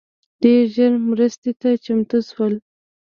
ډېر ژر مرستي ته چمتو سول